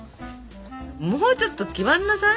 もうちょっと気張んなさい。